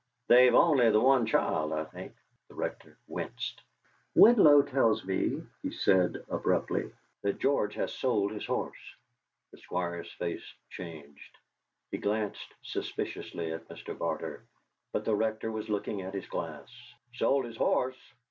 They've only the one child, I think?" The Rector winced. "Winlow tells me," he said abruptly, "that George has sold his horse." The Squire's face changed. He glanced suspiciously at Mr. Barter, but the Rector was looking at his glass. "Sold his horse!